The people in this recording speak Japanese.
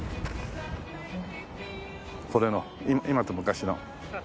これの今と昔の。